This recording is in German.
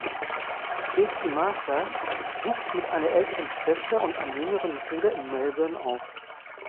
Kirstie Marshall wuchs mit einer älteren Schwester und einem jüngeren Bruder in Melbourne auf.